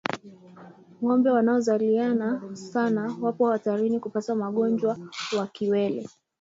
Ngombe wanaozaliana sana wapo hatarini kupata ugonjwa wa kiwele